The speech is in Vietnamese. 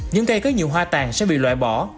những cây có nhiều hoa tàn sẽ bị loại bỏ